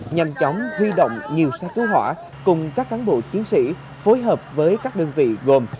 nhanh chóng huy động nhiều xe cứu hỏa cùng các cán bộ chiến sĩ phối hợp với các đơn vị gồm